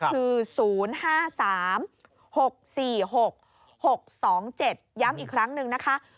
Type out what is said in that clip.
คือ๐๕๓๖๔๖๖๒๗ย้ำอีกครั้งหนึ่งนะคะ